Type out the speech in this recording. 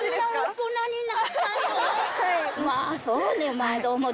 まぁそうね。